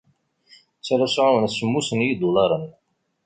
Ttalaseɣ-awen semmus n yidulaṛen.